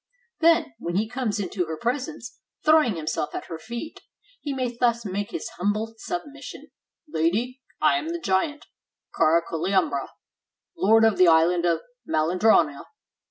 Then when he comes into her presence, throwing himself at her feet, he may thus make his humble submission: — 'Lady, I am the giant Caraculiambro, lord of the island of Malin drania.